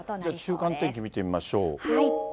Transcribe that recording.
週間天気見てみましょう。